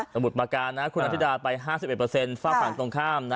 มุดประการนะคุณอธิดาไป๕๑ฝากฝั่งตรงข้าม